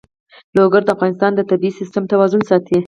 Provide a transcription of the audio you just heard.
لوگر د افغانستان د طبعي سیسټم توازن ساتي.